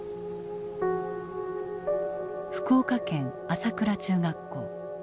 福岡県朝倉中学校。